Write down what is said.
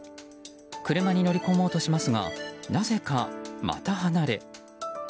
車に乗り込もうとしますがなぜかまた離れ。